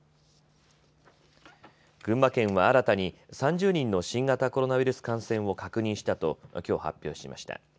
群馬県は新たに３０人の新型コロナウイルス感染を確認したときょう発表しました。